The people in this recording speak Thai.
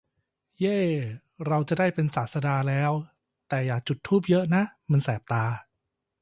เย้ ! เราจะเป็นศาสดาแล้ว ! แต่อย่าจุดธูปเยอะนะ มันแสบตา